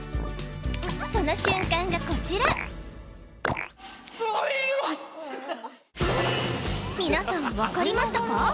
その瞬間がこちらみなさんわかりましたか？